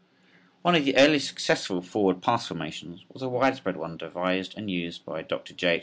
] One of the earliest successful forward pass formations was a widespread one devised and used by Dr. J.